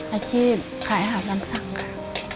อาชีพขายหาบน้ำสังครับ